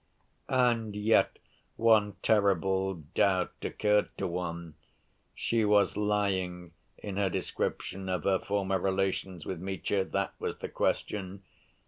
And yet one terrible doubt occurred to one—was she lying in her description of her former relations with Mitya?—that was the question.